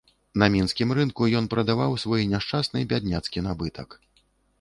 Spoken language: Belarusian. На мінскім рынку ён прадаваў свой няшчасны бядняцкі набытак.